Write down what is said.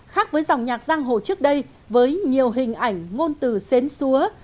khác với dòng nhạc giang hồ trước đây với nhiều hình ảnh ngôn từ xến xúa